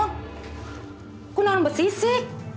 aku tahu mbak sisi